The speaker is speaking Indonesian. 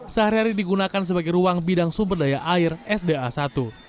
sehari hari digunakan sebagai ruang bidang sumber daya air sda satu